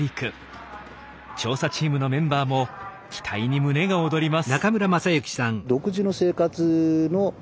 調査チームのメンバーも期待に胸が躍ります。